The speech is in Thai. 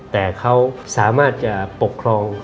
แต่เขาสามารถจะปกครอง